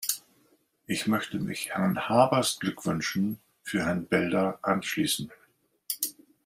Ich möchte mich Herrn Harbours Glückwünschen für Herrn Belder anschließen.